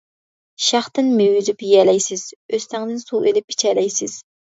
شاختىن مېۋە ئۈزۈپ يېيەلەيسىز، ئۆستەڭدىن سۇ ئېلىپ ئىچەلەيسىز.